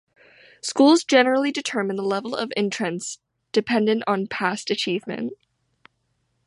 Schools generally determine the level of entrance dependent on past achievement.